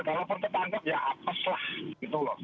kalau terpanggup ya apeslah